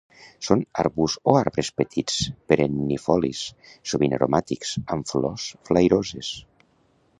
Són arbusts o arbres petits perennifolis, sovint aromàtics, amb flors flairoses.